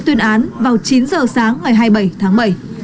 tuyên án vào chín giờ sáng ngày hai mươi bảy tháng bảy